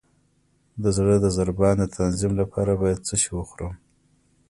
د زړه د ضربان د تنظیم لپاره باید څه شی وخورم؟